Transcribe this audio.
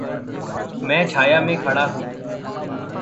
मैं छाया में खड़ा हूँ।